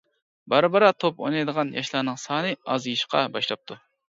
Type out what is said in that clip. بارا-بارا توپ ئوينايدىغان ياشلارنىڭ سانى ئازىيىشقا باشلاپتۇ.